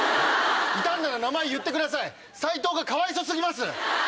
いたんなら名前言ってくださいサイトウがかわいそ過ぎます！